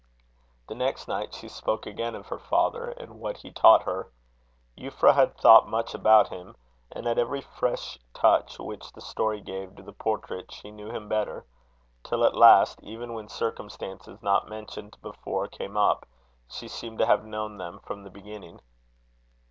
The next night she spoke again of her father, and what he taught her. Euphra had thought much about him; and at every fresh touch which the story gave to the portrait, she knew him better; till at last, even when circumstances not mentioned before came up, she seemed to have known them from the beginning.